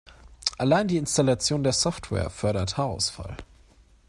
Allein die Installation der Software fördert Haarausfall.